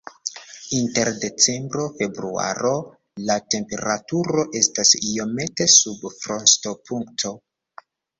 Inter decembro-februaro la temperaturo estas iomete sub frostopunkto.